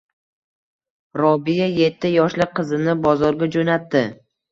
Robiya yetti yoshli qizini bozorga joʻnatdi.